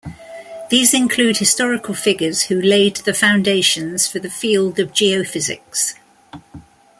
These include historical figures who laid the foundations for the field of geophysics.